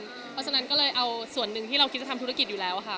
เพราะฉะนั้นก็เลยเอาส่วนหนึ่งที่เราคิดจะทำธุรกิจอยู่แล้วค่ะ